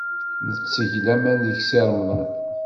Netteg laman deg Si Remḍan.